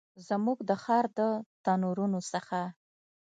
زموږ د ښار د تنورونو څخه